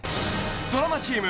ドラマチーム